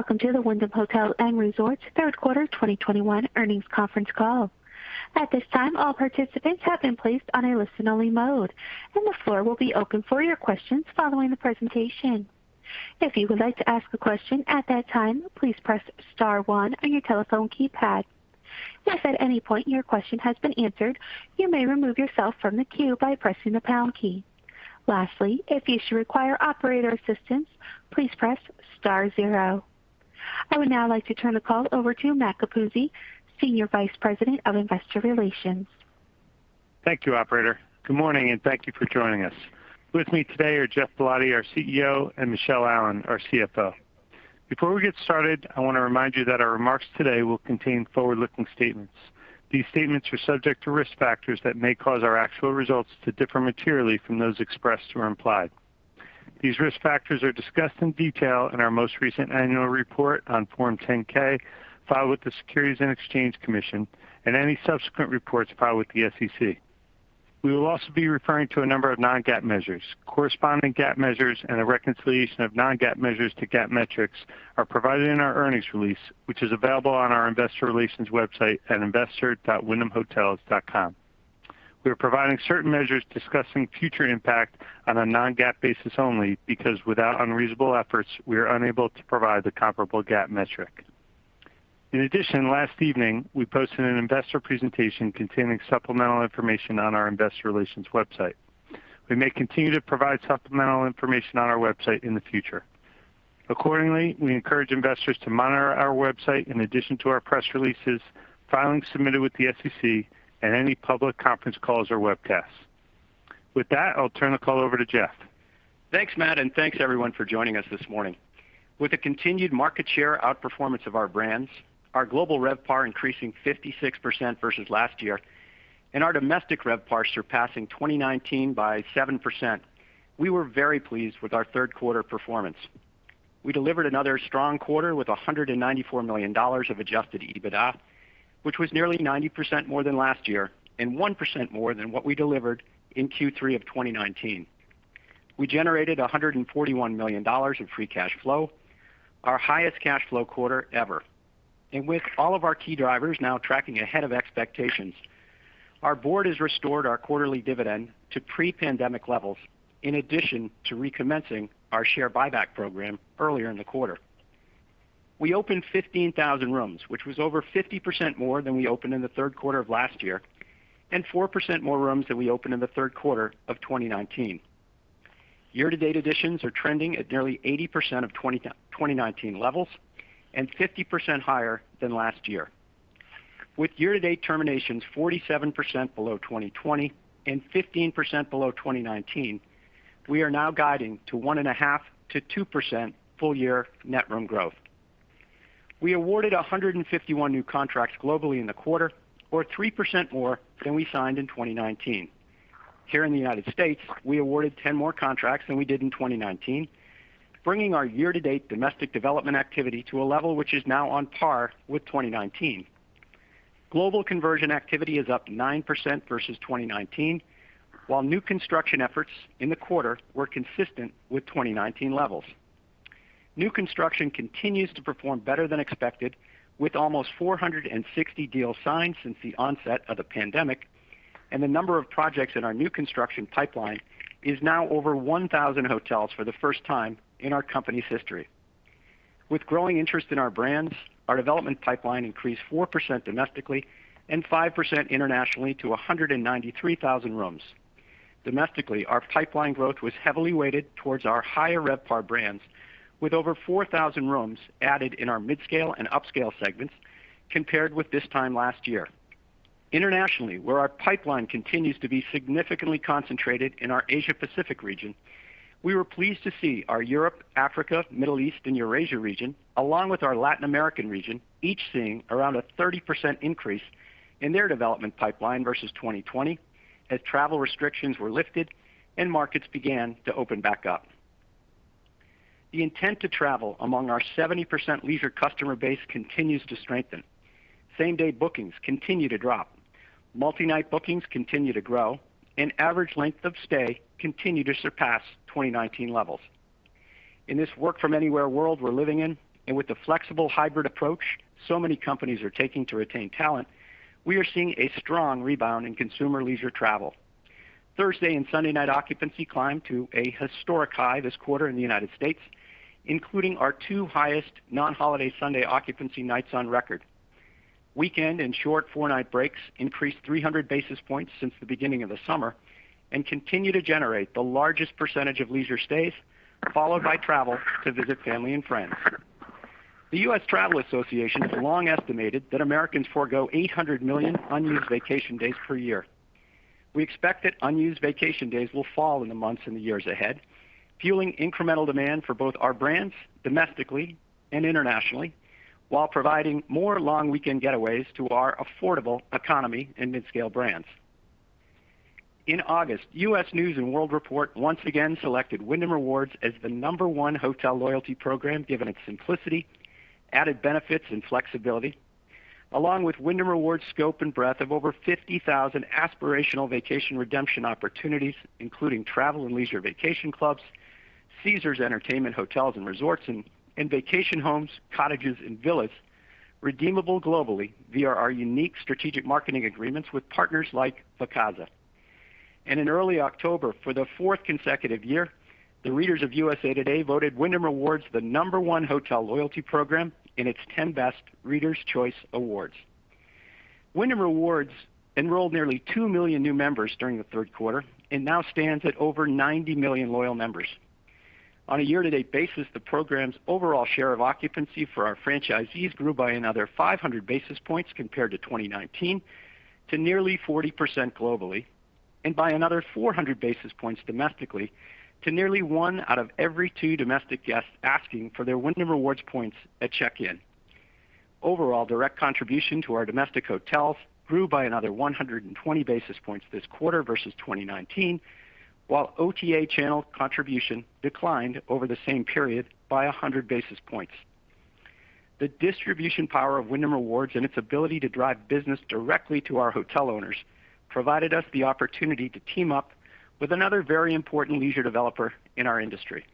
Welcome to the Wyndham Hotels & Resorts third quarter 2021 earnings conference call. At this time, all participants have been placed on a listen-only mode, and the floor will be open for your questions following the presentation. If you would like to ask a question at that time, please press star one on your telephone keypad. If at any point your question has been answered, you may remove yourself from the queue by pressing the pound key. Lastly, if you should require operator assistance, please press star zero. I would now like to turn the call over to Matt Capuzzi, Senior Vice President of Investor Relations. Thank you, operator. Good morning, and thank you for joining us. With me today are Geoff Ballotti, our CEO, and Michele Allen, our CFO. Before we get started, I want to remind you that our remarks today will contain forward-looking statements. These statements are subject to risk factors that may cause our actual results to differ materially from those expressed or implied. These risk factors are discussed in detail in our most recent annual report on Form 10-K filed with the Securities and Exchange Commission and any subsequent reports filed with the SEC. We will also be referring to a number of non-GAAP measures. Corresponding GAAP measures and a reconciliation of non-GAAP measures to GAAP metrics are provided in our earnings release, which is available on our investor relations website at investor.wyndhamhotels.com. We are providing certain measures discussing future impact on a non-GAAP basis only because without unreasonable efforts we are unable to provide the comparable GAAP metric. In addition, last evening we posted an investor presentation containing supplemental information on our investor relations website. We may continue to provide supplemental information on our website in the future. Accordingly, we encourage investors to monitor our website in addition to our press releases, filings submitted with the SEC and any public conference calls or webcasts. With that, I'll turn the call over to Geoff. Thanks, Matt, and thanks everyone for joining us this morning. With the continued market share outperformance of our brands, our global RevPAR increasing 56% versus last year, and our domestic RevPAR surpassing 2019 by 7%, we were very pleased with our third quarter performance. We delivered another strong quarter with $194 million of adjusted EBITDA, which was nearly 90% more than last year and 1% more than what we delivered in Q3 of 2019. We generated $141 million in free cash flow, our highest cash flow quarter ever. With all of our key drivers now tracking ahead of expectations, our board has restored our quarterly dividend to pre-pandemic levels in addition to recommencing our share buyback program earlier in the quarter. We opened 15,000 rooms, which was over 50% more than we opened in the third quarter of last year and 4% more rooms than we opened in the third quarter of 2019. Year-to-date additions are trending at nearly 80% of 2019 levels and 50% higher than last year. With year-to-date terminations 47% below 2020 and 15% below 2019, we are now guiding to 1.5%-2% full-year net room growth. We awarded 151 new contracts globally in the quarter, or 3% more than we signed in 2019. Here in the U.S., we awarded 10 more contracts than we did in 2019, bringing our year-to-date domestic development activity to a level which is now on par with 2019. Global conversion activity is up 9% versus 2019, while new construction efforts in the quarter were consistent with 2019 levels. New construction continues to perform better than expected with almost 460 deals signed since the onset of the pandemic. The number of projects in our new construction pipeline is now over 1,000 hotels for the first time in our company's history. With growing interest in our brands, our development pipeline increased 4% domestically and 5% internationally to 193,000 rooms. Domestically, our pipeline growth was heavily weighted towards our higher RevPAR brands, with over 4,000 rooms added in our midscale and upscale segments compared with this time last year. Internationally, where our pipeline continues to be significantly concentrated in our Asia Pacific region, we were pleased to see our Europe, Africa, Middle East and Eurasia region, along with our Latin American region, each seeing around a 30% increase in their development pipeline versus 2020 as travel restrictions were lifted and markets began to open back up. The intent to travel among our 70% leisure customer base continues to strengthen. Same day bookings continue to drop. Multi night bookings continue to grow, and average length of stay continue to surpass 2019 levels. In this work from anywhere world we're living in, and with the flexible hybrid approach so many companies are taking to retain talent, we are seeing a strong rebound in consumer leisure travel. Thursday and Sunday night occupancy climbed to a historic high this quarter in the U.S., including our two highest non-holiday Sunday occupancy nights on record. Weekend and short four-night breaks increased 300 basis points since the beginning of the summer, and continue to generate the largest percentage of leisure stays, followed by travel to visit family and friends. The U.S. Travel Association has long estimated that Americans forego 800 million unused vacation days per year. We expect that unused vacation days will fall in the months in the years ahead, fueling incremental demand for both our brands domestically and internationally, while providing more long weekend getaways to our affordable economy and midscale brands. In August, U.S. News & World Report once again selected Wyndham Rewards as the number one hotel loyalty program given its simplicity, added benefits and flexibility. Along with Wyndham Rewards scope and breadth of over 50,000 aspirational vacation redemption opportunities, including travel and leisure vacation clubs, Caesars Entertainment hotels and resorts, and vacation homes, cottages, and villas redeemable globally via our unique strategic marketing agreements with partners like Vacasa. In early October, for the fourth consecutive year, the readers of USA Today voted Wyndham Rewards the number one hotel loyalty program in its 10Best Readers' Choice Awards. Wyndham Rewards enrolled nearly two million new members during the third quarter, and now stands at over 90 million loyal members. On a year-to-date basis, the program's overall share of occupancy for our franchisees grew by another 500 basis points compared to 2019, to nearly 40% globally, and by another 400 basis points domestically to nearly one out of every two domestic guests asking for their Wyndham Rewards points at check-in. Overall direct contribution to our domestic hotels grew by another 120 basis points this quarter versus 2019, while OTA channel contribution declined over the same period by 100 basis points. The distribution power of Wyndham Rewards and its ability to drive business directly to our hotel owners provided us the opportunity to team up with another very important leisure developer in our industry.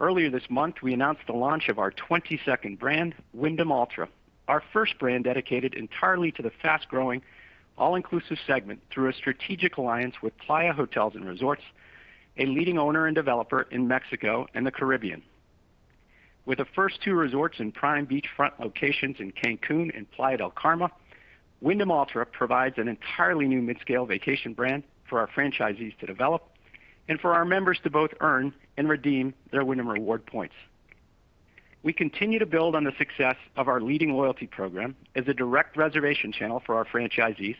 Earlier this month, we announced the launch of our 22nd brand, Wyndham Alltra, our first brand dedicated entirely to the fast-growing all-inclusive segment through a strategic alliance with Playa Hotels & Resorts, a leading owner and developer in Mexico and the Caribbean. With the first two resorts in prime beachfront locations in Cancun and Playa del Carmen, Wyndham Alltra provides an entirely new midscale vacation brand for our franchisees to develop and for our members to both earn and redeem their Wyndham Rewards points. We continue to build on the success of our leading loyalty program as a direct reservation channel for our franchisees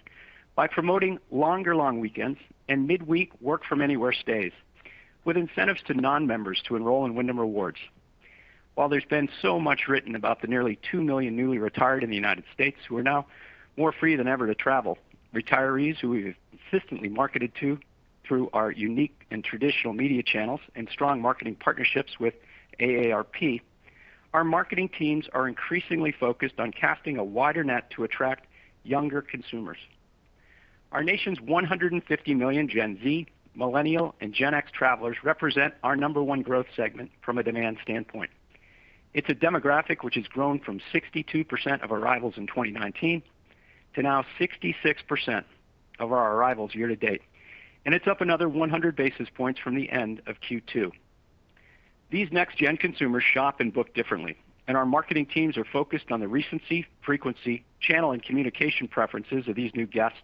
by promoting longer long weekends and midweek work from anywhere stays, with incentives to non-members to enroll in Wyndham Rewards. While there's been so much written about the nearly two million newly retired in the U.S. who are now more free than ever to travel, retirees who we've consistently marketed to through our unique and traditional media channels and strong marketing partnerships with AARP, our marketing teams are increasingly focused on casting a wider net to attract younger consumers. Our nation's 150 million Gen Z, millennial, and Gen X travelers represent our number one growth segment from a demand standpoint. It's a demographic which has grown from 62% of arrivals in 2019 to now 66% of our arrivals year-to-date, and it's up another 100 basis points from the end of Q2. These next gen consumers shop and book differently, and our marketing teams are focused on the recency, frequency, channel, and communication preferences of these new guests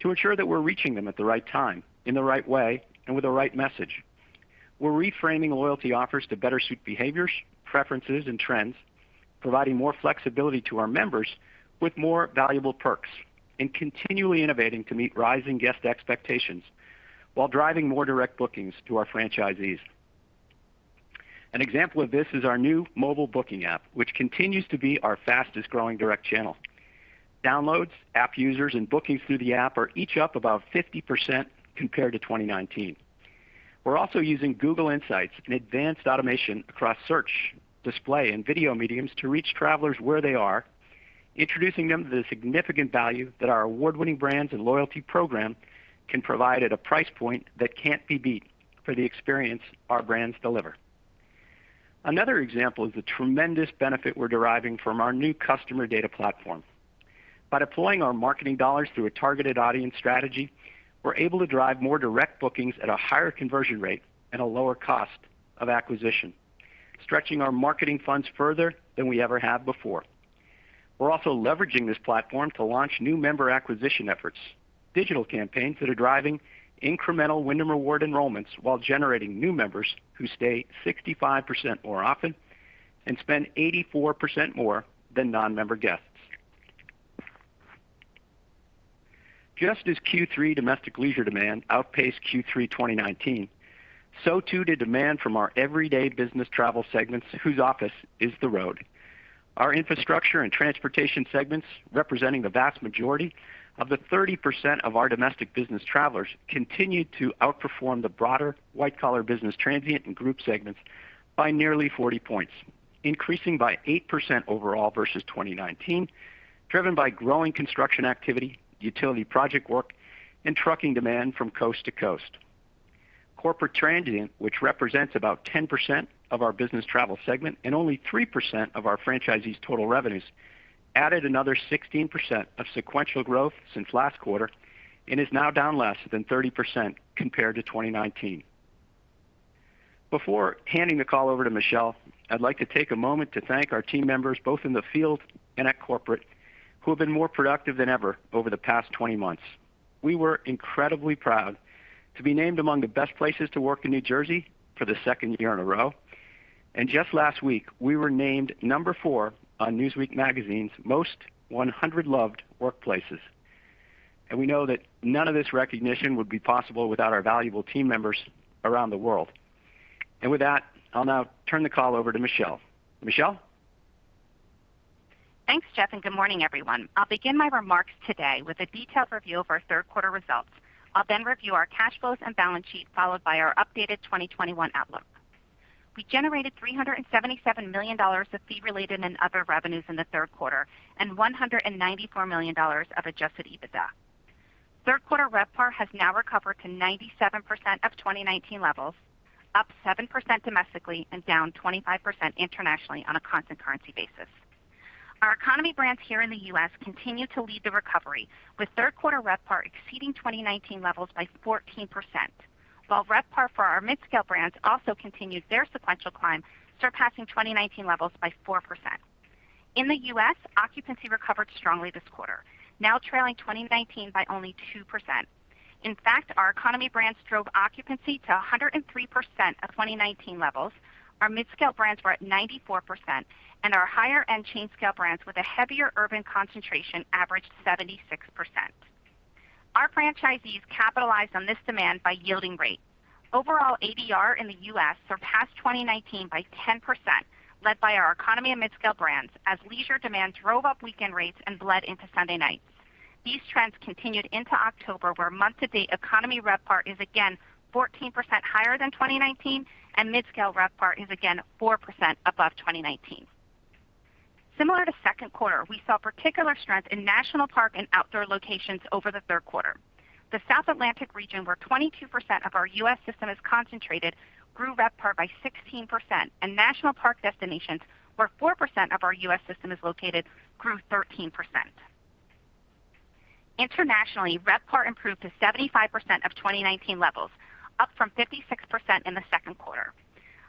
to ensure that we're reaching them at the right time, in the right way, and with the right message. We're reframing loyalty offers to better suit behaviors, preferences, and trends, providing more flexibility to our members with more valuable perks and continually innovating to meet rising guest expectations while driving more direct bookings to our franchisees. An example of this is our new mobile booking app, which continues to be our fastest growing direct channel. Downloads, app users, and bookings through the app are each up about 50% compared to 2019. We're also using Google Insights and advanced automation across search, display, and video media to reach travelers where they are, introducing them to the significant value that our award-winning brands and loyalty program can provide at a price point that can't be beat for the experience our brands deliver. Another example is the tremendous benefit we're deriving from our new customer data platform. By deploying our marketing dollars through a targeted audience strategy, we're able to drive more direct bookings at a higher conversion rate and a lower cost of acquisition, stretching our marketing funds further than we ever have before. We're also leveraging this platform to launch new member acquisition efforts, digital campaigns that are driving incremental Wyndham Rewards enrollments while generating new members who stay 65% more often and spend 84% more than non-member guests. Just as Q3 domestic leisure demand outpaced Q3 2019, so too did demand from our everyday business travel segments whose office is the road. Our infrastructure and transportation segments, representing the vast majority of the 30% of our domestic business travelers, continued to outperform the broader white collar business transient and group segments by nearly 40 points, increasing by 8% overall versus 2019, driven by growing construction activity, utility project work, and trucking demand from coast to coast. Corporate transient, which represents about 10% of our business travel segment and only 3% of our franchisees total revenues, added another 16% of sequential growth since last quarter, and is now down less than 30% compared to 2019. Before handing the call over to Michele, I'd like to take a moment to thank our team members, both in the field and at corporate, who have been more productive than ever over the past 20 months. We were incredibly proud to be named among the best places to work in New Jersey for the second year in a row. Just last week, we were named number four on Newsweek magazine's Most 100 Loved Workplaces. We know that none of this recognition would be possible without our valuable team members around the world. With that, I'll now turn the call over to Michele. Michele? Thanks, Geoff, and good morning, everyone. I'll begin my remarks today with a detailed review of our third quarter results. I'll then review our cash flows and balance sheet, followed by our updated 2021 outlook. We generated $377 million of fee related and other revenues in the third quarter, and $194 million of adjusted EBITDA. Third quarter RevPAR has now recovered to 97% of 2019 levels, up 7% domestically and down 25% internationally on a constant currency basis. Our economy brands here in the U.S. continue to lead the recovery, with third quarter RevPAR exceeding 2019 levels by 14%, while RevPAR for our midscale brands also continued their sequential climb, surpassing 2019 levels by 4%. In the U.S., occupancy recovered strongly this quarter, now trailing 2019 by only 2%. In fact, our economy brands drove occupancy to 103% of 2019 levels. Our midscale brands were at 94%, and our higher end chain scale brands with a heavier urban concentration averaged 76%. Our franchisees capitalized on this demand by yielding rate. Overall ADR in the U.S. surpassed 2019 by 10%, led by our economy and midscale brands as leisure demand drove up weekend rates and bled into Sunday nights. These trends continued into October, where month to date economy RevPAR is again 14% higher than 2019, and midscale RevPAR is again 4% above 2019. Similar to second quarter, we saw particular strength in national park and outdoor locations over the third quarter. The South Atlantic region, where 22% of our U.S. system is concentrated, grew RevPAR by 16%, and national park destinations, where 4% of our U.S. system is located, grew 13%. Internationally, RevPAR improved to 75% of 2019 levels, up from 56% in the second quarter.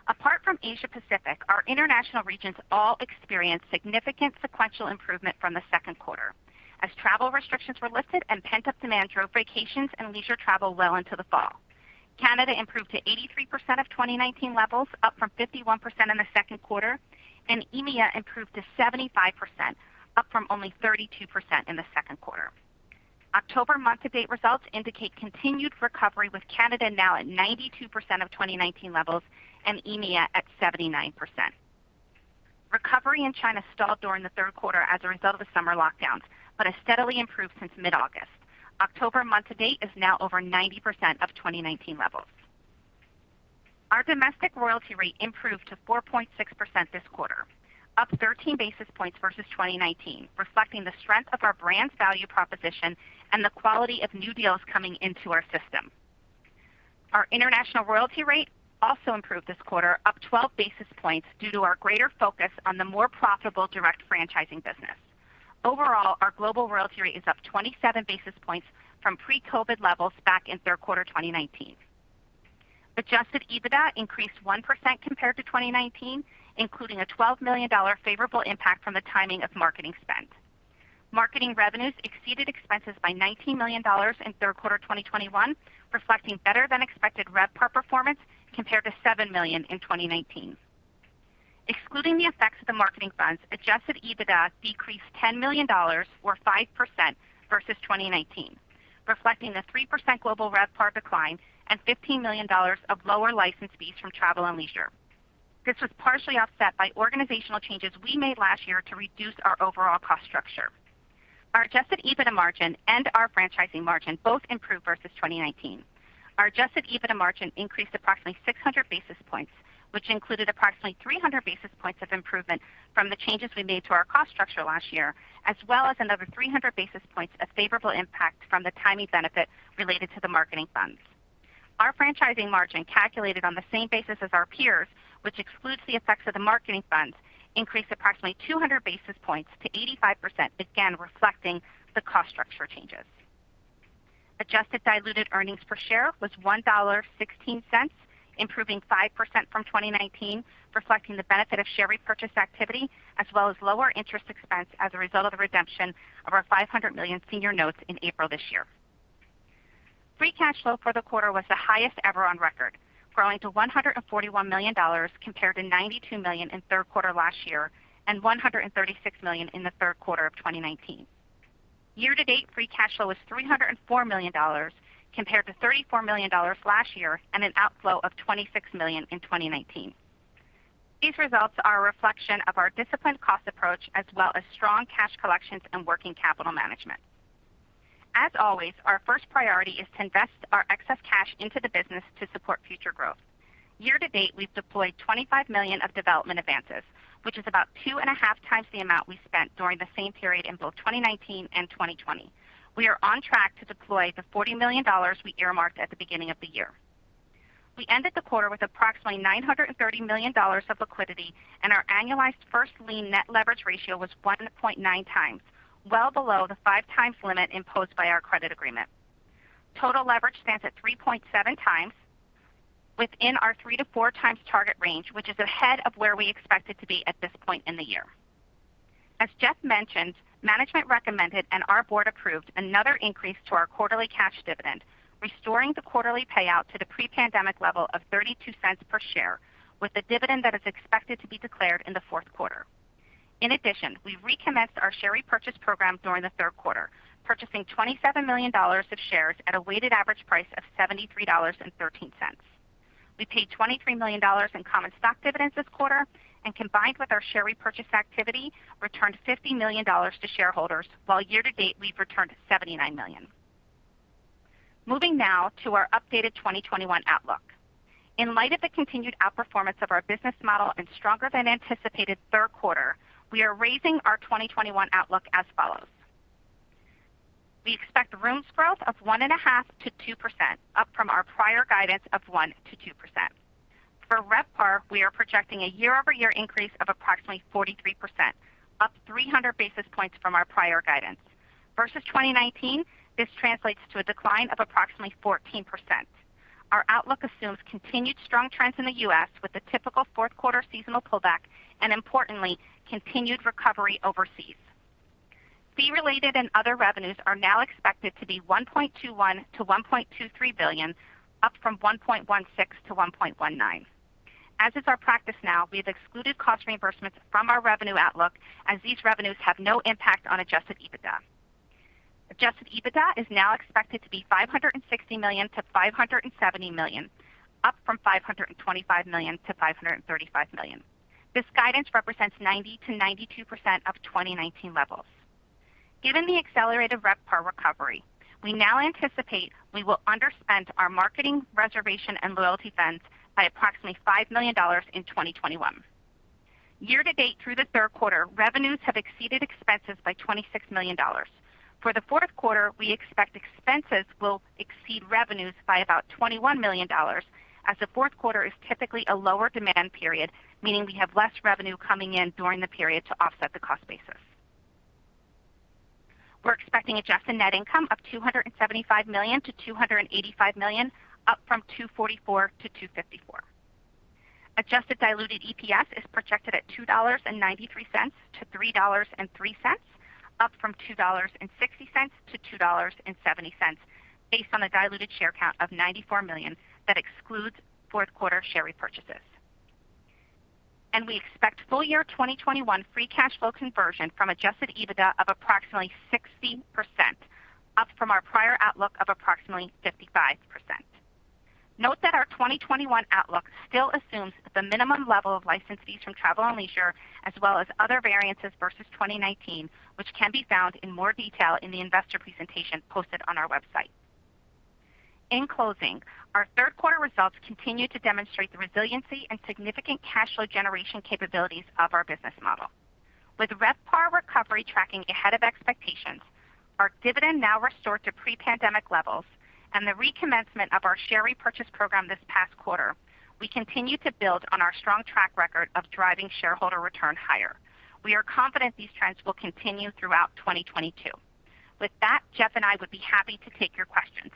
Apart from Asia Pacific, our international regions all experienced significant sequential improvement from the second quarter as travel restrictions were lifted and pent-up demand drove vacations and leisure travel well into the fall. Canada improved to 83% of 2019 levels, up from 51% in the second quarter, and EMEA improved to 75%, up from only 32% in the second quarter. October month to date results indicate continued recovery, with Canada now at 92% of 2019 levels and EMEA at 79%. Recovery in China stalled during the third quarter as a result of the summer lockdowns, but has steadily improved since mid-August. October month to date is now over 90% of 2019 levels. Our domestic royalty rate improved to 4.6% this quarter, up 13 basis points versus 2019, reflecting the strength of our brand's value proposition and the quality of new deals coming into our system. Our international royalty rate also improved this quarter, up 12 basis points due to our greater focus on the more profitable direct franchising business. Overall, our global royalty rate is up 27 basis points from pre-COVID levels back in third quarter 2019. Adjusted EBITDA increased 1% compared to 2019, including a $12 million favorable impact from the timing of marketing spend. Marketing revenues exceeded expenses by $19 million in third quarter 2021, reflecting better than expected RevPAR performance compared to $7 million in 2019. Excluding the effects of the marketing funds, adjusted EBITDA decreased $10 million or 5% versus 2019, reflecting a 3% global RevPAR decline and $15 million of lower license fees from Travel + Leisure. This was partially offset by organizational changes we made last year to reduce our overall cost structure. Our adjusted EBITDA margin and our franchising margin both improved versus 2019. Our adjusted EBITDA margin increased approximately 600 basis points, which included approximately 300 basis points of improvement from the changes we made to our cost structure last year, as well as another 300 basis points of favorable impact from the timing benefit related to the marketing funds. Our franchising margin, calculated on the same basis as our peers, which excludes the effects of the marketing funds, increased approximately 200 basis points to 85%, again reflecting the cost structure changes. Adjusted diluted earnings per share was $1.16, improving 5% from 2019, reflecting the benefit of share repurchase activity as well as lower interest expense as a result of the redemption of our $500 million senior notes in April this year. Free cash flow for the quarter was the highest ever on record, growing to $141 million compared to $92 million in third quarter last year and $136 million in the third quarter of 2019. Year to date free cash flow was $304 million compared to $34 million last year and an outflow of $26 million in 2019. These results are a reflection of our disciplined cost approach as well as strong cash collections and working capital management. As always, our first priority is to invest our excess cash into the business to support future growth. Year-to-date, we've deployed $25 million of development advances, which is about 2.5x the amount we spent during the same period in both 2019 and 2020. We are on track to deploy the $40 million we earmarked at the beginning of the year. We ended the quarter with approximately $930 million of liquidity, and our annualized first lien net leverage ratio was 1.9x, well below the 5x limit imposed by our credit agreement. Total leverage stands at 3.7x within our 3x-4x target range, which is ahead of where we expect it to be at this point in the year. As Geoff mentioned, management recommended and our board approved another increase to our quarterly cash dividend, restoring the quarterly payout to the pre-pandemic level of $0.32 per share, with a dividend that is expected to be declared in the fourth quarter. In addition, we recommenced our share repurchase program during the third quarter, purchasing $27 million of shares at a weighted average price of $73.13. We paid $23 million in common stock dividends this quarter, and combined with our share repurchase activity, returned $50 million to shareholders, while year to date we've returned $79 million. Moving now to our updated 2021 outlook. In light of the continued outperformance of our business model and stronger than anticipated third quarter, we are raising our 2021 outlook as follows. We expect rooms growth of 1.5%-2%, up from our prior guidance of 1%-2%. For RevPAR, we are projecting a year-over-year increase of approximately 43%, up 300 basis points from our prior guidance. Versus 2019, this translates to a decline of approximately 14%. Our outlook assumes continued strong trends in the U.S. with the typical fourth quarter seasonal pullback and importantly, continued recovery overseas. Fee related and other revenues are now expected to be $1.21 billion-$1.23 billion, up from $1.16 billion-$1.19 billion. As is our practice now, we have excluded cost reimbursements from our revenue outlook as these revenues have no impact on adjusted EBITDA. Adjusted EBITDA is now expected to be $560 million-$570 million, up from $525 million-$535 million. This guidance represents 90%-92% of 2019 levels. Given the accelerated RevPAR recovery, we now anticipate we will underspend our marketing reservation and loyalty spend by approximately $5 million in 2021. Year to date through the third quarter, revenues have exceeded expenses by $26 million. For the fourth quarter, we expect expenses will exceed revenues by about $21 million, as the fourth quarter is typically a lower demand period, meaning we have less revenue coming in during the period to offset the cost basis. We're expecting adjusted net income of $275 million-$285 million, up from $244 million-$254 million. Adjusted diluted EPS is projected at $2.93-$3.03, up from $2.60-$2.70, based on a diluted share count of $94 million that excludes fourth quarter share repurchases. We expect full year 2021 free cash flow conversion from adjusted EBITDA of approximately 60%, up from our prior outlook of approximately 55%. Note that our 2021 outlook still assumes the minimum level of license fees from travel and leisure, as well as other variances versus 2019, which can be found in more detail in the investor presentation posted on our website. In closing, our third quarter results continue to demonstrate the resiliency and significant cash flow generation capabilities of our business model. With RevPAR recovery tracking ahead of expectations, our dividend now restored to pre-pandemic levels and the recommencement of our share repurchase program this past quarter, we continue to build on our strong track record of driving shareholder return higher. We are confident these trends will continue throughout 2022. With that, Geoff and I would be happy to take your questions.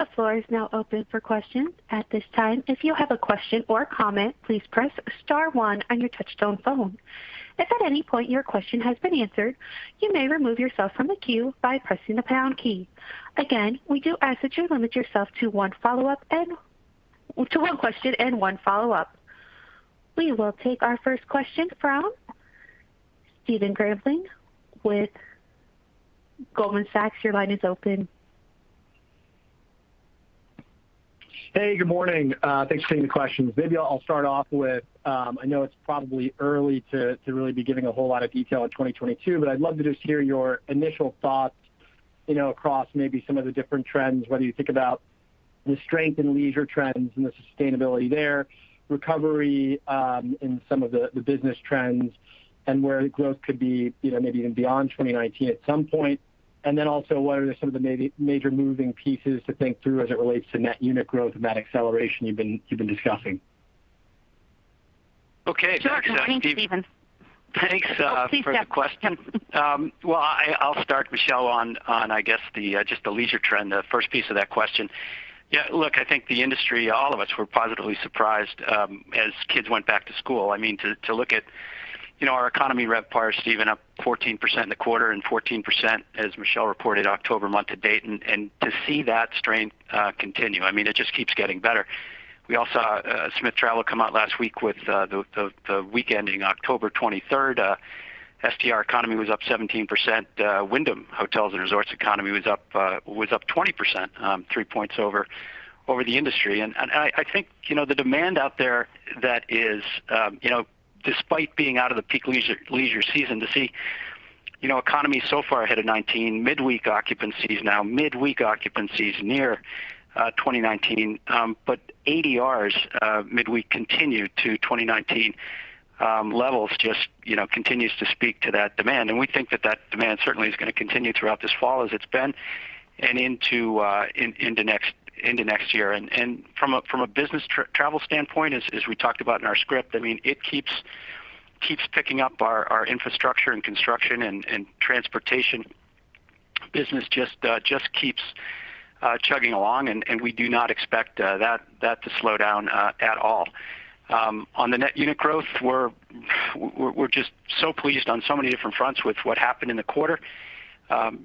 Operator? The floor is now open for questions. At this time, if you have a question or comment, please press star one on your touchtone phone. If at any point your question has been answered, you may remove yourself from the queue by pressing the pound key. Again, we do ask that you limit yourself to one question and one follow-up. We will take our first question from Stephen Grambling with Goldman Sachs. Your line is open. Hey, good morning. Thanks for taking the questions. Maybe I'll start off with, I know it's probably early to really be giving a whole lot of detail of 2022, but I'd love to just hear your initial thoughts, you know, across maybe some of the different trends, whether you think about the strength in leisure trends and the sustainability there, recovery in some of the business trends and where growth could be, you know, maybe even beyond 2019 at some point. Also, what are some of the major moving pieces to think through as it relates to net unit growth and that acceleration you've been discussing? Sure. Thanks, Stephen. Thanks for the question. Oh, please, Geoff. Well, I'll start, Michele, on I guess just the leisure trend, the first piece of that question. Yeah, look, I think the industry, all of us were positively surprised as kids went back to school. I mean, to look at, you know, our economy RevPAR, Stephen, up 14% in the quarter and 14% as Michele reported October month to date. To see that strength continue, I mean, it just keeps getting better. We all saw Smith Travel come out last week with the week ending October 23rd. STR economy was up 17%. Wyndham Hotels & Resorts economy was up 20%, three points over the industry. I think, you know, the demand out there that is, you know, despite being out of the peak leisure season to see, you know, economy so far ahead of 2019, midweek occupancies now near 2019. ADRs midweek continue to 2019 levels just you know continues to speak to that demand. We think that demand certainly is going to continue throughout this fall as it's been and into next year. From a business travel standpoint, as we talked about in our script, I mean, it keeps picking up our infrastructure and construction and transportation business just keeps chugging along, and we do not expect that to slow down at all. On the net unit growth, we're just so pleased on so many different fronts with what happened in the quarter.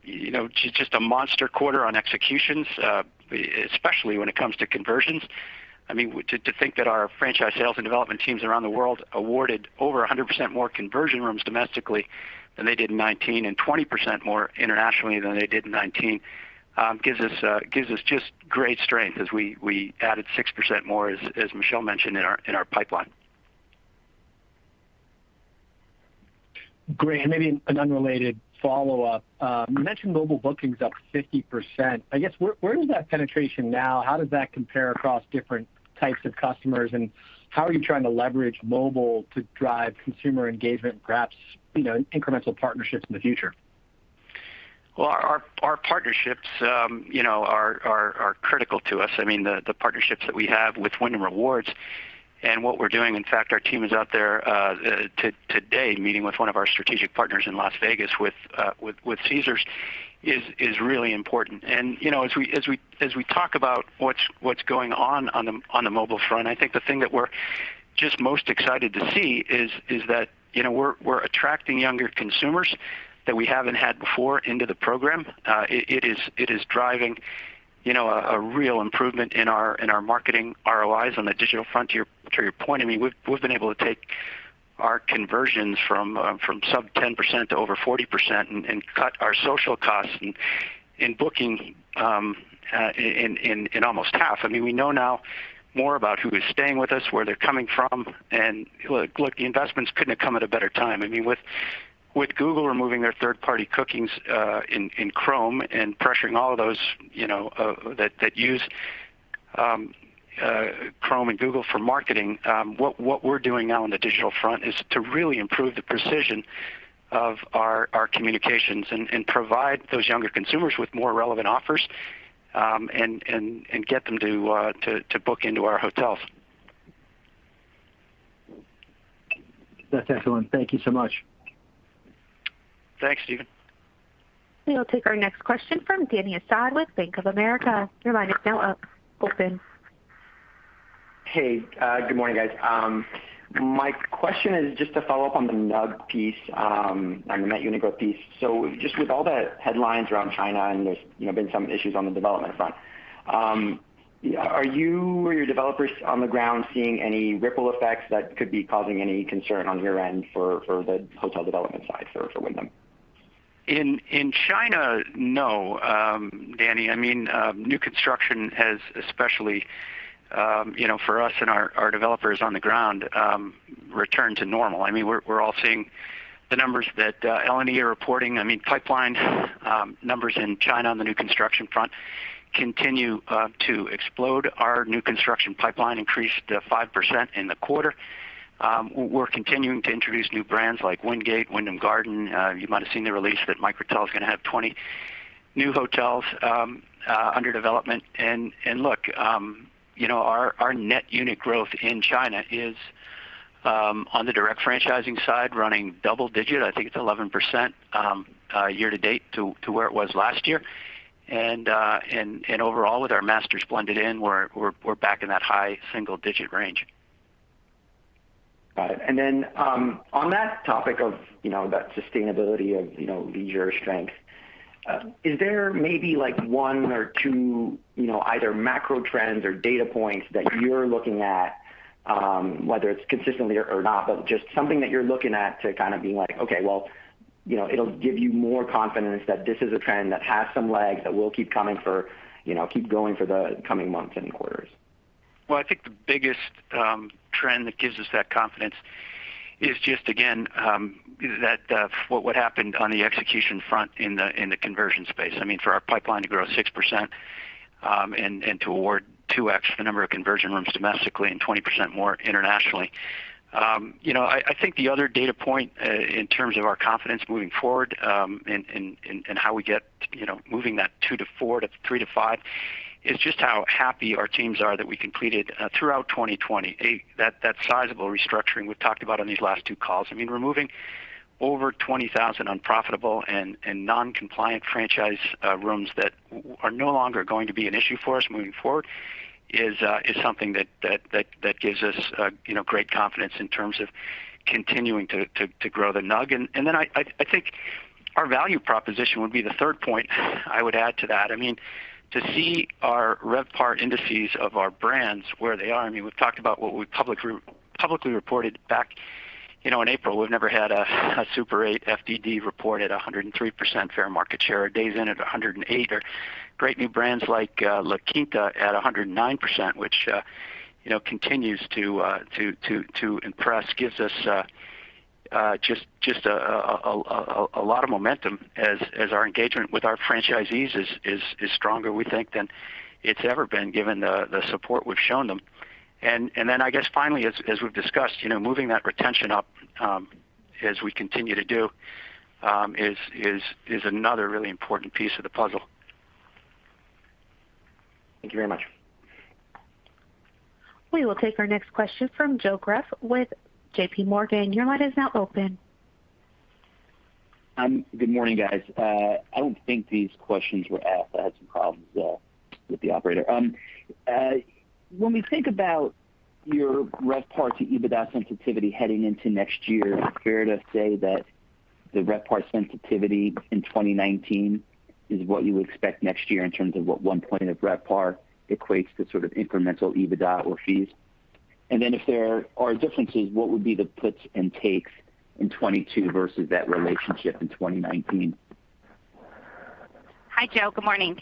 You know, just a monster quarter on executions, especially when it comes to conversions. I mean, to think that our franchise sales and development teams around the world awarded over 100% more conversion rooms domestically than they did in 2019 and 20% more internationally than they did in 2019, gives us just great strength as we added 6% more, as Michele mentioned in our pipeline. Great. Maybe an unrelated follow-up. You mentioned mobile bookings up 50%. I guess where is that penetration now? How does that compare across different types of customers? And how are you trying to leverage mobile to drive consumer engagement, perhaps, you know, incremental partnerships in the future? Well, our partnerships, you know, are critical to us. I mean, the partnerships that we have with Wyndham Rewards and what we're doing. In fact, our team is out there today meeting with one of our strategic partners in Las Vegas with Caesars is really important. You know, as we talk about what's going on, on the mobile front, I think the thing that we're just most excited to see is that, you know, we're attracting younger consumers that we haven't had before into the program. It is driving, you know, a real improvement in our marketing ROIs on the digital front to your point. I mean, we've been able to take our conversions from sub-10% to over 40% and cut our social costs in booking in almost half. I mean, we know now more about who is staying with us, where they're coming from. Look, the investments couldn't have come at a better time. I mean, with Google removing their third-party cookies in Chrome and pressuring all of those you know that use Chrome and Google for marketing, what we're doing now on the digital front is to really improve the precision of our communications and provide those younger consumers with more relevant offers and get them to book into our hotels. That's excellent. Thank you so much. Thanks, Stephen. We'll take our next question from Dany Asad with Bank of America. Your line is now open. Hey, good morning, guys. My question is just to follow up on the NUG piece, on the net unit growth piece. Just with all the headlines around China, and there's, you know, been some issues on the development front, are you or your developers on the ground seeing any ripple effects that could be causing any concern on your end for the hotel development side for Wyndham? In China, Dany. I mean, new construction has especially, you know, for us and our developers on the ground returned to normal. I mean, we're all seeing the numbers that LE are reporting. I mean, pipeline numbers in China on the new construction front continue to explode. Our new construction pipeline increased 5% in the quarter. We're continuing to introduce new brands like Wingate, Wyndham Garden. You might have seen the release that Microtel is gonna have 20 new hotels under development. Look, you know, our net unit growth in China is on the direct franchising side running double digit. I think it's 11%, year to date to where it was last year. overall with our masters blended in, we're back in that high single-digit range. Got it. On that topic of, you know, that sustainability of, you know, leisure strength, is there maybe like one or two, you know, either macro trends or data points that you're looking at, whether it's consistently or not, but just something that you're looking at to kind of be like, okay, well, you know, it'll give you more confidence that this is a trend that has some legs that will keep coming for, you know, keep going for the coming months and quarters? Well, I think the biggest trend that gives us that confidence is just again that what would happen on the execution front in the conversion space. I mean, for our pipeline to grow 6%, and to award 2x the number of conversion rooms domestically and 20% more internationally. You know, I think the other data point in terms of our confidence moving forward, and how we get you know moving that two-four to three-five is just how happy our teams are that we completed throughout 2020 that sizable restructuring we've talked about on these last two calls. I mean, removing over 20,000 unprofitable and non-compliant franchise rooms that are no longer going to be an issue for us moving forward is something that gives us, you know, great confidence in terms of continuing to grow the NUG. I think our value proposition would be the third point I would add to that. I mean, to see our RevPAR indices of our brands where they are, I mean, we've talked about what we publicly reported back, you know, in April. We've never had a Super 8 FDD report at 103% fair market share, a Days Inn at 108%, or great new brands like La Quinta at 109%, which you know continues to impress, gives us just a lot of momentum as our engagement with our franchisees is stronger, we think, than it's ever been given the support we've shown them. Then I guess finally, as we've discussed, you know, moving that retention up as we continue to do is another really important piece of the puzzle. Thank you very much. We will take our next question from Joe Greff with JPMorgan. Your line is now open. Good morning, guys. I don't think these questions were asked. I had some problems with the operator. When we think about your RevPAR to EBITDA sensitivity heading into next year, fair to say that the RevPAR sensitivity in 2019 is what you would expect next year in terms of what one point of RevPAR equates to sort of incremental EBITDA or fees? If there are differences, what would be the puts and takes in 2022 versus that relationship in 2019? Hi, Joe. Good morning.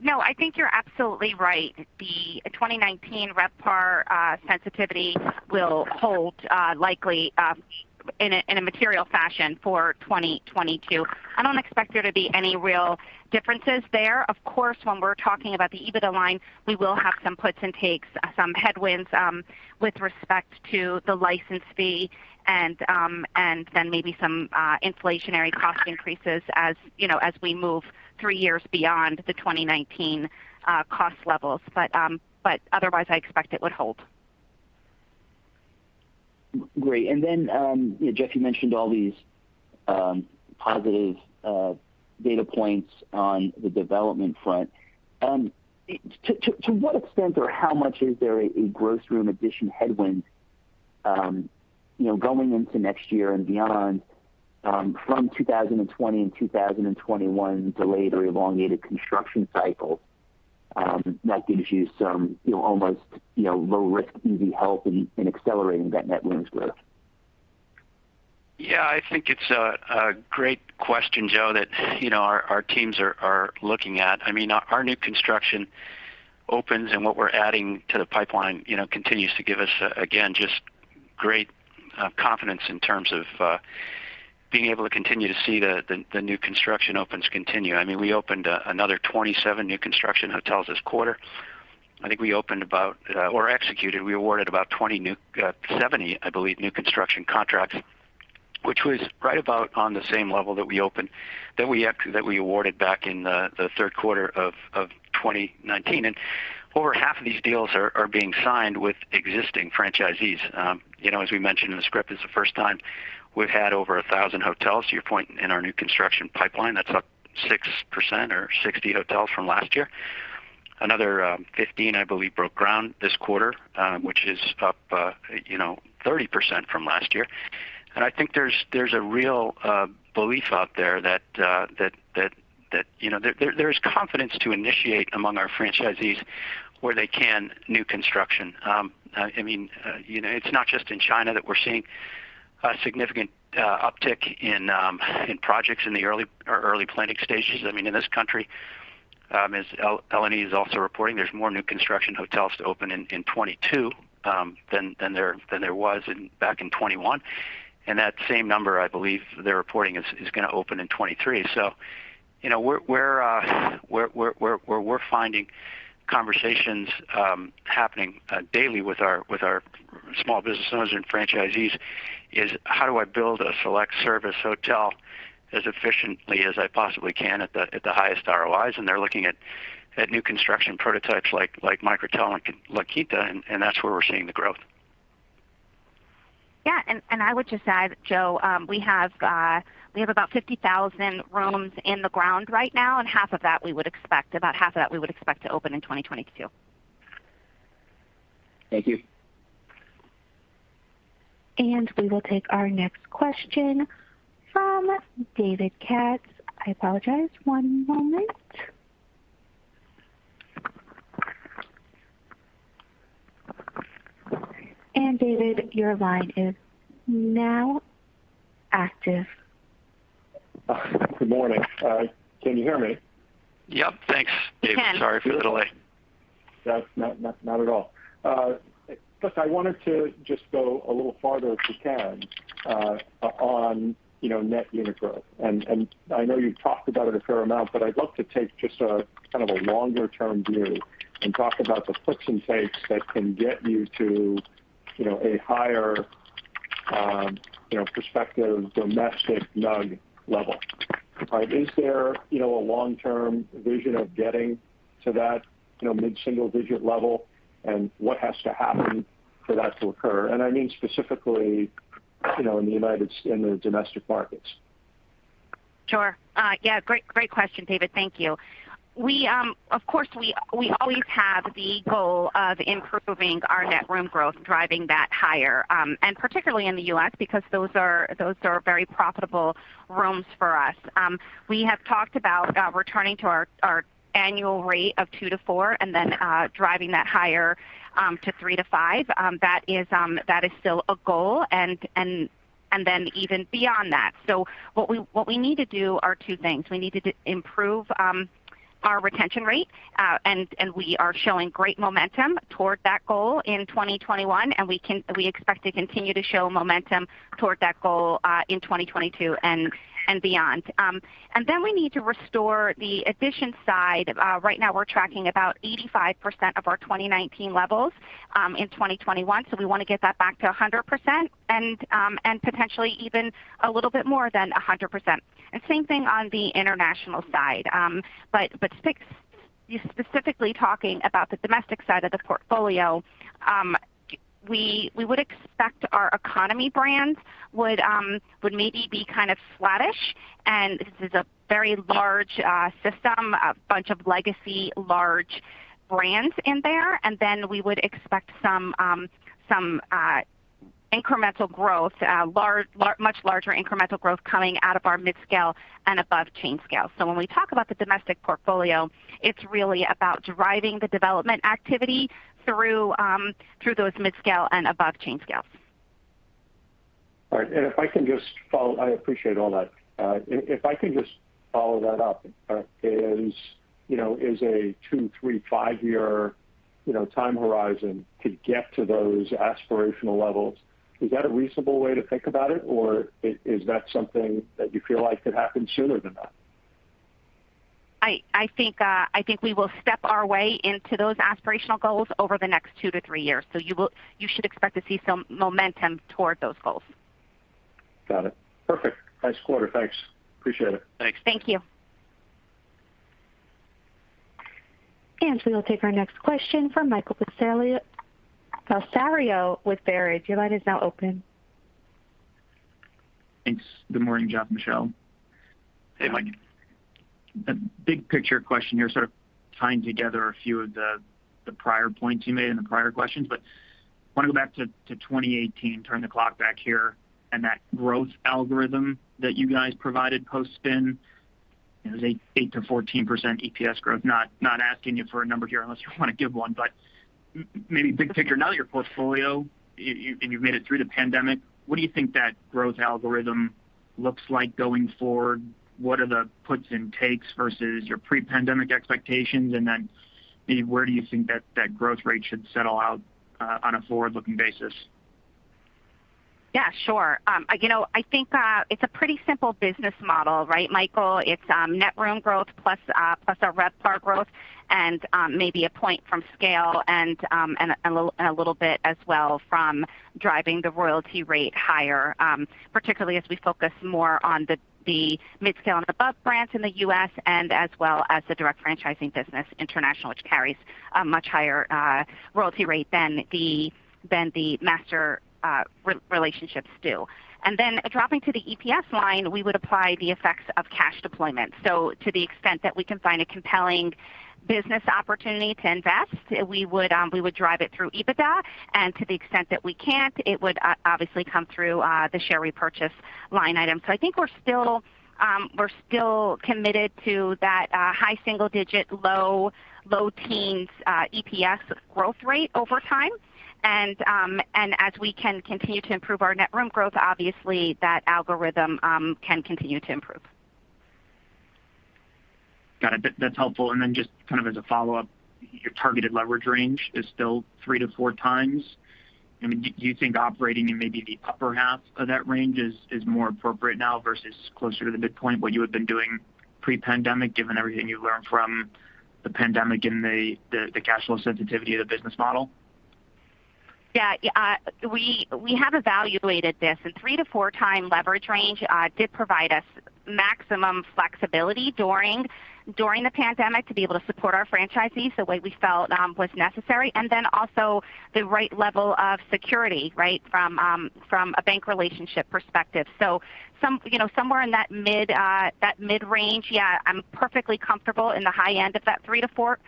No, I think you're absolutely right. The 2019 RevPAR sensitivity will hold likely in a material fashion for 2022. I don't expect there to be any real differences there. Of course, when we're talking about the EBITDA line, we will have some puts and takes, some headwinds with respect to the license fee and then maybe some inflationary cost increases as you know as we move three years beyond the 2019 cost levels. Otherwise, I expect it would hold. Great. Then, you know, Geoff, you mentioned all these positive data points on the development front. To what extent or how much is there a gross room addition headwind, you know, going into next year and beyond, from 2020 and 2021 delayed or elongated construction cycle, that gives you some, you know, almost low risk, easy help in accelerating that net rooms growth? Yeah, I think it's a great question, Joe, that you know our teams are looking at. I mean, our new construction opens and what we're adding to the pipeline, you know, continues to give us again just great confidence in terms of being able to continue to see the new construction opens continue. I mean, we opened another 27 new construction hotels this quarter. I think we awarded about 27, I believe, new construction contracts, which was right about on the same level that we awarded back in the third quarter of 2019. Over half of these deals are being signed with existing franchisees. You know, as we mentioned in the script, it's the first time we've had over 1,000 hotels to your point in our new construction pipeline. That's up 6% or 60 hotels from last year. Another 15, I believe, broke ground this quarter, which is up, you know, 30% from last year. I think there's a real belief out there that, you know, there is confidence to initiate among our franchisees where they can new construction. I mean, you know, it's not just in China that we're seeing a significant uptick in projects in the early planning stages. I mean, in this country, as LE is also reporting, there's more new construction hotels to open in 2022 than there was in back in 2021. That same number, I believe they're reporting, is gonna open in 2023. You know, we're finding conversations happening daily with our small business owners and franchisees is how do I build a select service hotel as efficiently as I possibly can at the highest ROIs? They're looking at new construction prototypes like Microtel and La Quinta, and that's where we're seeing the growth. I would just add, Joe, we have about 50,000 rooms in the ground right now, and about half of that we would expect to open in 2022. Thank you. We will take our next question from David Katz. I apologize. One moment. David, your line is now active. Good morning. Can you hear me? Yep. Thanks, David. We can. Sorry for the delay. That's not at all. Look, I wanted to just go a little farther, if you can, on, you know, net unit growth. I know you've talked about it a fair amount, but I'd love to take just a kind of a longer term view and talk about the puts and takes that can get you to, you know, a higher, you know, prospective domestic NUG level. Is there, you know, a long term vision of getting to that, you know, mid-single digit level, and what has to happen for that to occur? I mean, specifically, you know, in the domestic markets. Sure. Yeah, great question, David. Thank you. We, of course, always have the goal of improving our net room growth, driving that higher, and particularly in the U.S., because those are very profitable rooms for us. We have talked about returning to our annual rate of 2%-4% and then driving that higher to 3%-5%. That is still a goal and then even beyond that. What we need to do are two things. We need to improve our retention rate, and we are showing great momentum toward that goal in 2021, and we expect to continue to show momentum toward that goal in 2022 and beyond. We need to restore the addition side. Right now we're tracking about 85% of our 2019 levels in 2021. We wanna get that back to 100% and potentially even a little bit more than 100%. Same thing on the international side. You're specifically talking about the domestic side of the portfolio, we would expect our economy brands would maybe be kind of flattish. This is a very large system, a bunch of legacy large brands in there. Then we would expect some incremental growth, much larger incremental growth coming out of our midscale and above chain scale. When we talk about the domestic portfolio, it's really about driving the development activity through those midscale and above chain scale. All right. I appreciate all that. If I could just follow that up, you know, is a two, three, five-year, you know, time horizon to get to those aspirational levels a reasonable way to think about it? Or is that something that you feel like could happen sooner than that? I think we will step our way into those aspirational goals over the next two-three years. You should expect to see some momentum toward those goals. Got it. Perfect. Nice quarter. Thanks. Appreciate it. Thanks. Thank you. We will take our next question from Michael Bellisario with Baird. Your line is now open. Thanks. Good morning, Geoff and Michele. Hey, Mike. A big picture question here, sort of tying together a few of the prior points you made in the prior questions. Wanna go back to 2018, turn the clock back here, and that growth algorithm that you guys provided post spin. It was 8%-14% EPS growth. Not asking you for a number here unless you want to give one, but maybe big picture. Now that your portfolio, and you've made it through the pandemic, what do you think that growth algorithm looks like going forward? What are the puts and takes versus your pre-pandemic expectations? I mean, where do you think that growth rate should settle out, on a forward-looking basis? Yeah, sure. You know, I think it's a pretty simple business model, right, Michael? It's net room growth plus our RevPAR growth and maybe a point from scale and a little bit as well from driving the royalty rate higher, particularly as we focus more on the midscale and above brands in the U.S. and as well as the direct franchising business international, which carries a much higher royalty rate than the master relationships do. Then dropping to the EPS line, we would apply the effects of cash deployment. So to the extent that we can find a compelling business opportunity to invest, we would drive it through EBITDA. To the extent that we can't, it would obviously come through the share repurchase line item. I think we're still committed to that high single digit, low teens EPS growth rate over time. As we can continue to improve our net room growth, obviously that algorithm can continue to improve. Got it. That's helpful. Just kind of as a follow-up, your targeted leverage range is still 3x-4x. I mean, do you think operating in maybe the upper half of that range is more appropriate now versus closer to the midpoint, what you had been doing pre-pandemic, given everything you've learned from the pandemic and the cash flow sensitivity of the business model? Yeah, yeah. We have evaluated this, and 3x-4x leverage range did provide us maximum flexibility during the pandemic to be able to support our franchisees the way we felt was necessary, and then also the right level of security, right, from a bank relationship perspective. Some, you know, somewhere in that mid-range, yeah, I'm perfectly comfortable in the high end of that 3x-4x.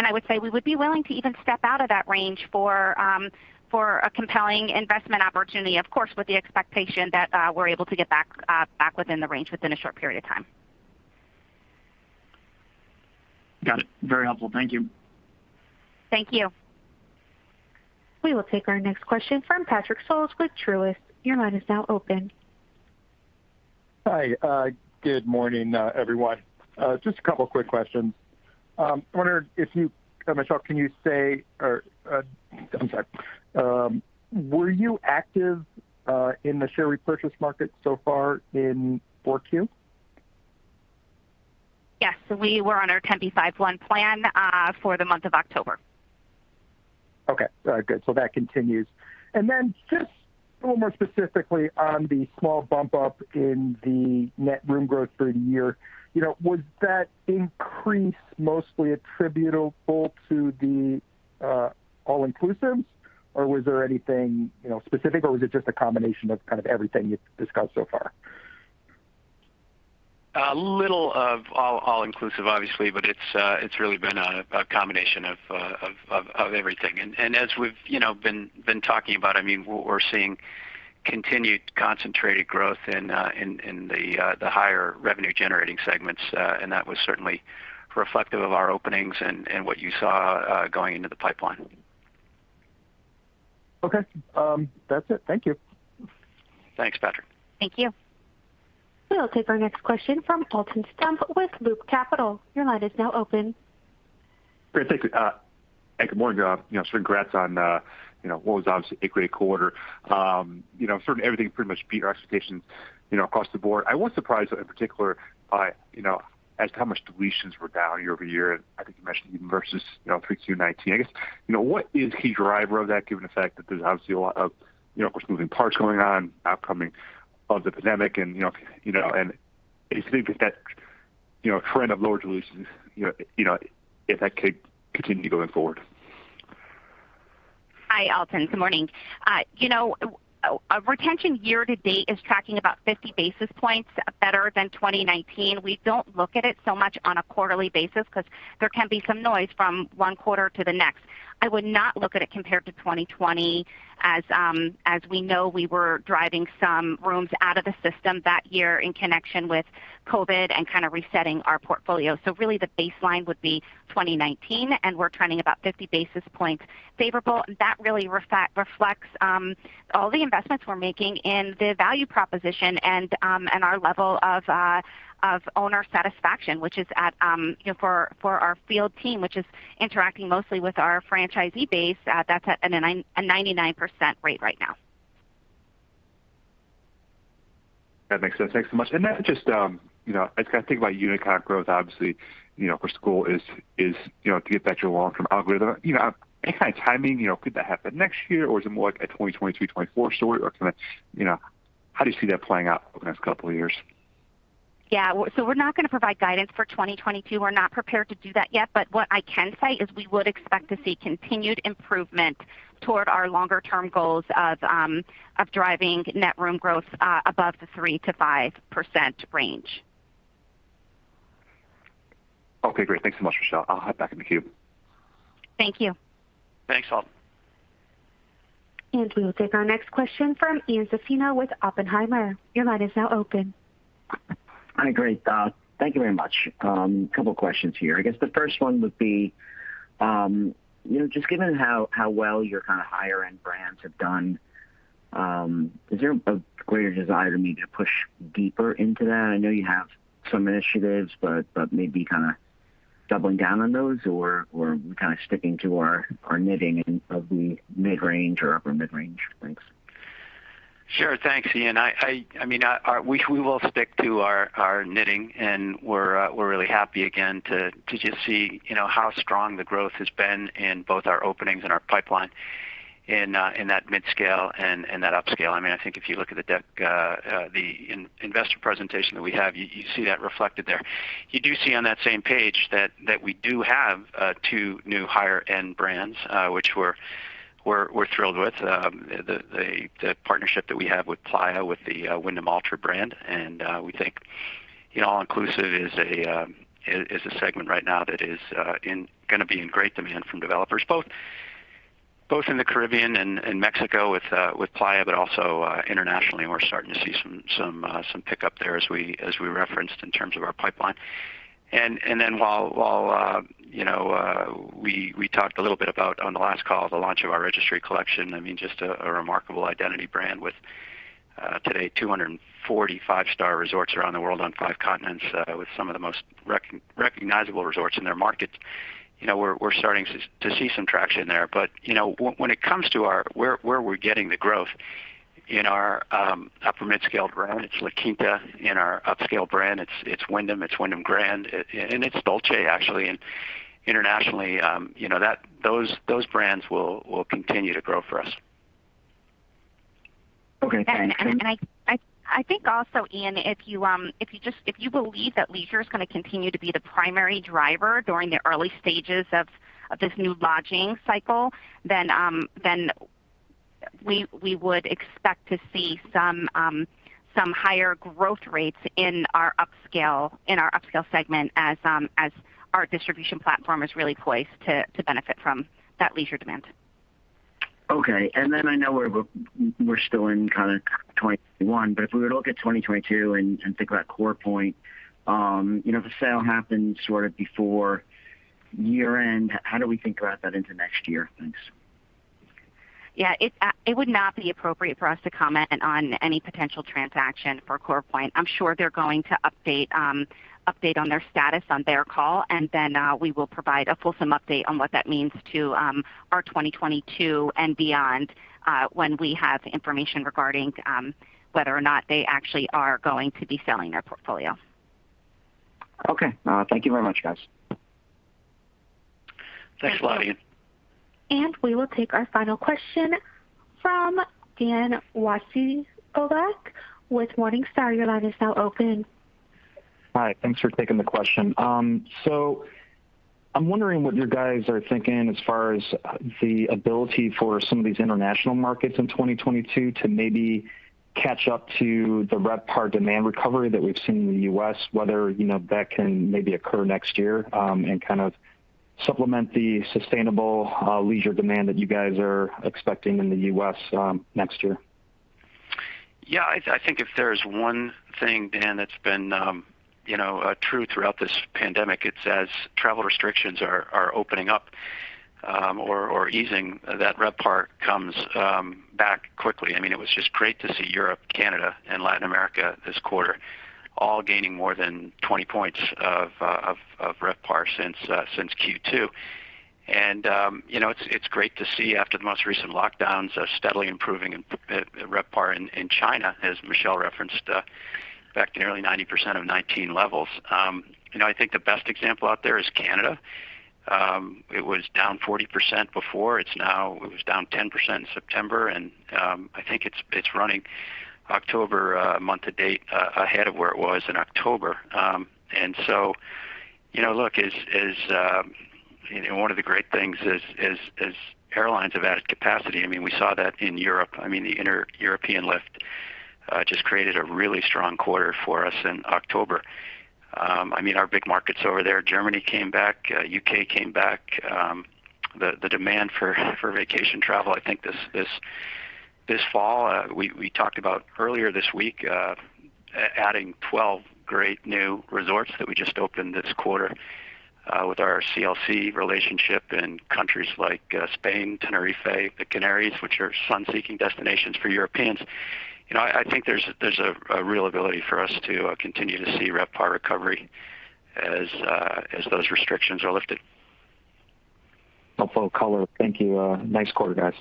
I would say we would be willing to even step out of that range for a compelling investment opportunity, of course, with the expectation that we're able to get back within the range within a short period of time. Got it. Very helpful. Thank you. Thank you. We will take our next question from Patrick Scholes with Truist. Your line is now open. Hi. Good morning, everyone. Just a couple quick questions. I wonder if you, Michele, were active in the share repurchase market so far in Q4? Yes. We were on our 10b5-1 plan for the month of October. Okay. Good. That continues. Just a little more specifically on the small bump up in the net room growth for the year. You know, was that increase mostly attributable to the all-inclusives, or was there anything, you know, specific, or was it just a combination of kind of everything you've discussed so far? A little of all inclusive obviously, but it's really been a combination of everything. As we've you know been talking about, I mean, we're seeing continued concentrated growth in the higher revenue generating segments. That was certainly reflective of our openings and what you saw going into the pipeline. Okay. That's it. Thank you. Thanks, Patrick. Thank you. We'll take our next question from Alton Stump with Loop Capital. Your line is now open. Great. Thank you and good morning. You know, congrats on what was obviously a great quarter. You know, sort of everything pretty much beat our expectations, you know, across the board. I was surprised in particular by how much deletions were down year-over-year, and I think you mentioned even versus 3Q 2019. I guess what is the driver of that given the fact that there's obviously a lot of moving parts going on coming out of the pandemic, and do you think that trend of lower deletions could continue going forward? Hi, Alton. Good morning. You know, our retention year to date is tracking about 50 basis points better than 2019. We don't look at it so much on a quarterly basis because there can be some noise from one quarter to the next. I would not look at it compared to 2020 as we know, we were driving some rooms out of the system that year in connection with COVID and kind of resetting our portfolio. Really the baseline would be 2019, and we're trending about 50 basis points favorable. That really reflects all the investments we're making in the value proposition and our level of owner satisfaction, which is at for our field team, which is interacting mostly with our franchisee base, that's at a 99% rate right now. That makes sense. Thanks so much. That's just, you know, I gotta think about unit comp growth, obviously, you know, for school is, you know, to get back to your long-term algorithm. You know, any kind of timing, you know, could that happen next year or is it more like a 2023, 2024 story? You know, how do you see that playing out over the next couple of years? We're not gonna provide guidance for 2022. We're not prepared to do that yet, but what I can say is we would expect to see continued improvement toward our longer term goals of driving net room growth above the 3%-5% range. Okay, great. Thanks so much, Michele. I'll hop back in the queue. Thank you. Thanks all. We will take our next question from Ian Zaffino with Oppenheimer. Your line is now open. Hi. Great. Thank you very much. Couple questions here. I guess the first one would be, you know, just given how well your kind of higher end brands have done, is there a greater desire to maybe push deeper into that? I know you have some initiatives, but maybe kind of doubling down on those or kind of sticking to our knitting in the mid-range or upper mid-range. Thanks. Sure. Thanks, Ian. I mean, we will stick to our knitting, and we're really happy again to just see, you know, how strong the growth has been in both our openings and our pipeline in that midscale and that upscale. I mean, I think if you look at the deck, the investor presentation that we have, you see that reflected there. You do see on that same page that we do have two new higher-end brands, which we're thrilled with. The partnership that we have with Playa, with the Wyndham Alltra brand, and we think all inclusive is a segment right now that is gonna be in great demand from developers, both in the Caribbean and Mexico with Playa, but also internationally. We're starting to see some pickup there as we referenced in terms of our pipeline. Then while you know we talked a little bit about on the last call, the launch of our Registry Collection, I mean, just a remarkable identity brand with today 240 5-star resorts around the world on five continents, with some of the most recognizable resorts in their markets. You know, we're starting to see some traction there. You know, when it comes to where we're getting the growth in our upper mid-scale brand, it's La Quinta, in our upscale brand, it's Wyndham, it's Wyndham Grand, and it's Dolce, actually. Internationally, you know, those brands will continue to grow for us. Okay. Thanks. I think also, Ian, if you believe that leisure is gonna continue to be the primary driver during the early stages of this new lodging cycle, then we would expect to see some higher growth rates in our upscale segment as our distribution platform is really poised to benefit from that leisure demand. Okay. Then I know we're still in kind of 2021, but if we were to look at 2022 and think about CorePoint, you know, if a sale happens sort of before year-end, how do we think about that into next year? Thanks. Yeah. It would not be appropriate for us to comment on any potential transaction for CorePoint. I'm sure they're going to update on their status on their call, and then we will provide a fulsome update on what that means to our 2022 and beyond, when we have information regarding whether or not they actually are going to be selling their portfolio. Okay. Thank you very much, guys. Thanks a lot, Ian. We will take our final question from Dan Wasiolek with Morningstar. Your line is now open. Hi. Thanks for taking the question. I'm wondering what you guys are thinking as far as the ability for some of these international markets in 2022 to maybe catch up to the RevPAR demand recovery that we've seen in the U.S., whether, you know, that can maybe occur next year, and kind of supplement the sustainable leisure demand that you guys are expecting in the U.S. next year. Yeah, I think if there's one thing, Dan, that's been, you know, true throughout this pandemic, it's as travel restrictions are opening up, or easing, that RevPAR comes back quickly. I mean, it was just great to see Europe, Canada, and Latin America this quarter all gaining more than 20 points of RevPAR since Q2. You know, it's great to see after the most recent lockdowns, a steadily improving RevPAR in China, as Michele referenced, back to nearly 90% of 2019 levels. You know, I think the best example out there is Canada. It was down 40% before. It's now down 10% in September, and I think it's running October month to date ahead of where it was in October. You know, look, as airlines have added capacity, I mean, we saw that in Europe. I mean, the inter-European lift just created a really strong quarter for us in October. I mean, our big markets over there, Germany came back, U.K. came back. The demand for vacation travel, I think this fall, we talked about earlier this week, adding 12 great new resorts that we just opened this quarter, with our CLC relationship in countries like Spain, Tenerife, the Canaries, which are sun-seeking destinations for Europeans. You know, I think there's a real ability for us to continue to see RevPAR recovery as those restrictions are lifted. Helpful color. Thank you. Nice quarter, guys.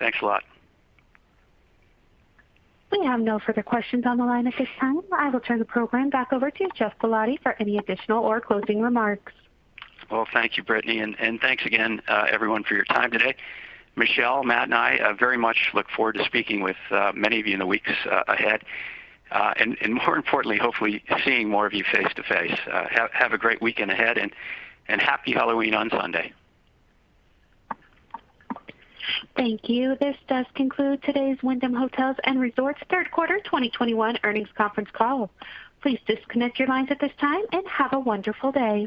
Thanks a lot. We have no further questions on the line at this time. I will turn the program back over to Geoff Ballotti for any additional or closing remarks. Well, thank you, Brittany, and thanks again, everyone for your time today. Michele, Matt, and I very much look forward to speaking with many of you in the weeks ahead and more importantly, hopefully seeing more of you face to face. Have a great weekend ahead and happy Halloween on Sunday. Thank you. This does conclude today's Wyndham Hotels & Resorts third quarter 2021 earnings conference call. Please disconnect your lines at this time and have a wonderful day.